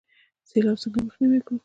سیلاب څنګه مخنیوی کړو؟